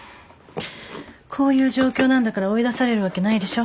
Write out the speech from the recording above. こういう状況なんだから追い出されるわけないでしょ。